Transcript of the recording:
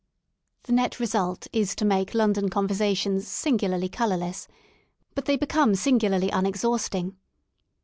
The net result is to make London conversations sin gularly colourless ; but they become singularly unex hausting.